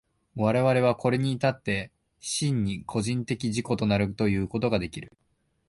我々はこれに至って真に個人的自己となるということができる。